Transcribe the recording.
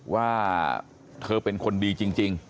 ว่าเธอเป็นคนดีจริง